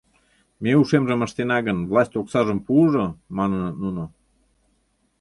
Ме ушемжым ыштена гын, власть оксажым пуыжо», — маныныт нуно.